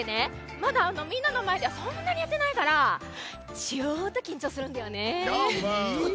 まだみんなのまえではそんなにやってないからちょっときんちょうするんだよね。